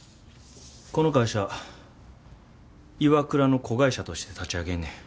この会社ＩＷＡＫＵＲＡの子会社として立ち上げんねん。